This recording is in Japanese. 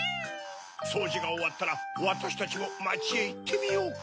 そうじがおわったらわたしたちもまちへいってみようか。